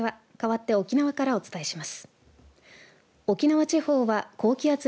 かわって沖縄からお伝えします。